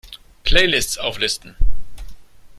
Playlists auflisten!